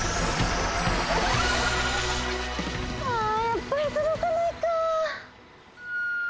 あやっぱりとどかないかぁ。